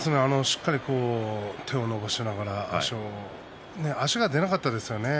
手を伸ばしながら足が出なかったんですよね。